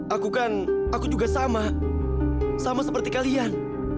aku kan aku juga sama sama seperti kalian